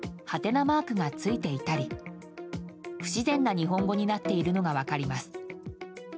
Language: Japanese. マークがついていたり不自然な日本語になっているのが分かります。